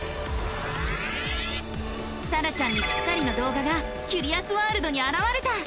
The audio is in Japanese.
さらちゃんにぴったりの動画がキュリアスワールドにあらわれた！